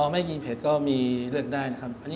ไม่กินเผ็ดก็มีเลือกได้นะครับ